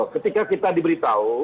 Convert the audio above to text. ketika kita diberitahu